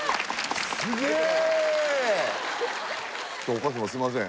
お母様すみません